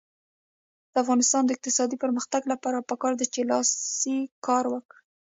د افغانستان د اقتصادي پرمختګ لپاره پکار ده چې لاسي کار وي.